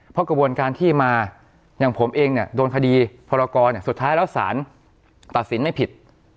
เพราะกระบวนการที่มาอย่างผมเองเนี่ยโดนคดีพรกรสุดท้ายแล้วสารตัดสินไม่ผิด